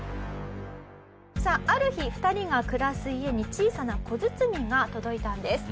さあある日２人が暮らす家に小さな小包が届いたんです。